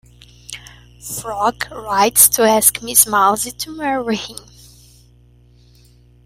Frog rides to ask Miss Mouse to marry him.